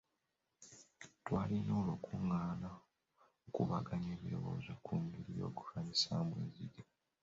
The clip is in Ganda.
Twalina olukungaana okukubaganya ebirowoozo ku ngeri y'okulwanyisaamu enzige.